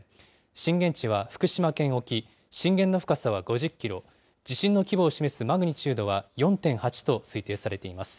震源地は福島県沖、震源の深さは５０キロ、地震の規模を示すマグニチュードは４．８と推定されています。